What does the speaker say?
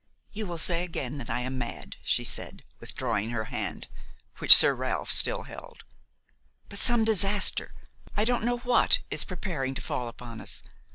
"You will say again that I am mad," she said, withdrawing her hand, which Sir Ralph still held, "but some disaster, I don't know what, is preparing to fall upon us.